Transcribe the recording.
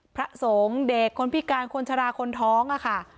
พระสงฆ์เด็กคนพิการคนชะลาคนท้องค่ะ